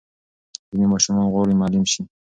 ځینې ماشومان غواړي معلم شي.